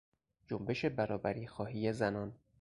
جنبش برابریخواهی زنان